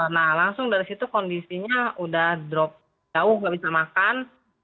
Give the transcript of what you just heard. nah langsung dari situ kondisinya udah drop jauh nggak bisa makan